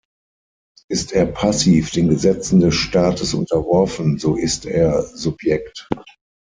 Ist er passiv den Gesetzen des Staates unterworfen, so ist er "Subjekt".